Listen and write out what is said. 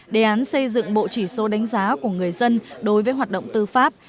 đề án xây dựng bộ chỉ số đánh giá của người dân đối với hoạt động tư pháp